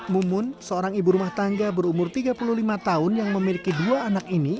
mumun seorang ibu rumah tangga berumur tiga puluh lima tahun yang memiliki dua anak ini